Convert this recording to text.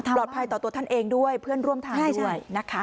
ต่อตัวท่านเองด้วยเพื่อนร่วมทางด้วยนะคะ